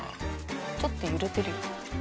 ちょっと揺れてるよ。